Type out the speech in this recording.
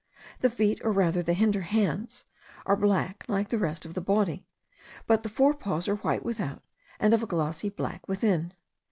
The feet, or rather the hinder hands, are black like the rest of the body; but the fore paws are white without, and of a glossy black within.